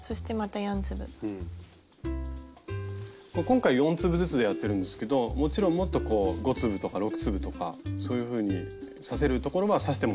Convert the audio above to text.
今回４粒ずつでやってるんですけどもちろんもっと５粒とか６粒とかそういうふうに刺せるところは刺してもＯＫなんです。